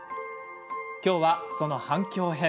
きょうは、その反響編。